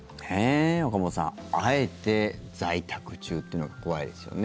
岡本さん、あえて在宅中というのが怖いですよね。